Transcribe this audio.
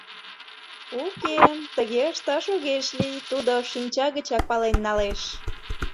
Уке, тыге ышташ огеш лий, тудо шинча гычак пален налеш».